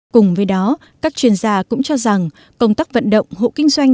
cùng với đó các chuyên gia cũng cho rằng công tác vận động hộ kinh doanh